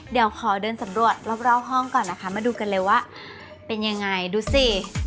เดี๋ยวขอเดินสำรวจรอบห้องก่อนนะคะมาดูกันเลยว่าเป็นยังไงดูสิ